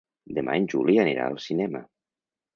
Demà en Juli anirà al cinema.